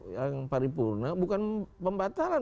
yang paripurna bukan pembatalan